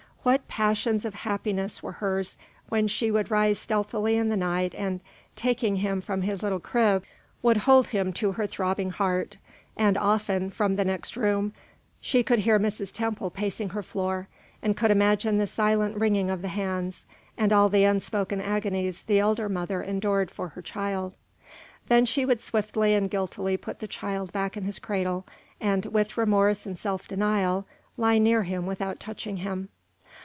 What passions of happiness were hers when she would rise stealthily in the night and, taking him from his little crib, would hold him to her throbbing heart; and often, from the next room, she could hear Mrs. Temple pacing her floor, and could imagine the silent wringing of the hands and all the unspoken agonies the elder mother endured for her child! Then she would swiftly and guiltily put the child back in his cradle, and, with remorse and self denial, lie near him without touching him.